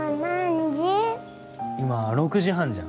今、６時半じゃ。